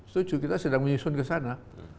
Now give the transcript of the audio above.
setuju kita sedang menyusun ke sana